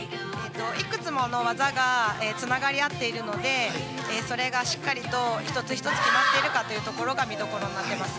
いくつもの技がつながり合っているので、それがしっかりと、一つ一つ決まっているかというところが見どころになっています。